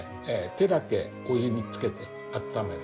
手だけお湯につけて温める。